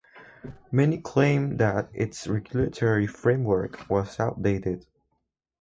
Many claimed that its regulatory framework was outdated.